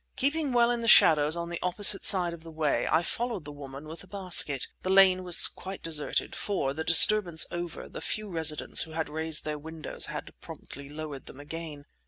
Keeping well in the shadows on the opposite side of the way, I followed the woman with the basket. The lane was quite deserted; for, the disturbance over, those few residents who had raised their windows had promptly lowered them again.